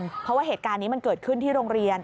เพราะว่าเหตุการณ์นี้มันเกิดขึ้นที่โรงเรียน